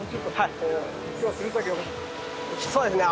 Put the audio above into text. そうですね。